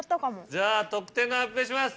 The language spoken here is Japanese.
じゃあ得点の発表をします。